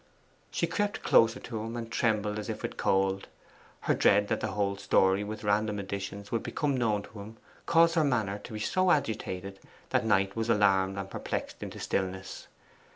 She crept closer to him and trembled as if with cold. Her dread that the whole story, with random additions, would become known to him, caused her manner to be so agitated that Knight was alarmed and perplexed into stillness.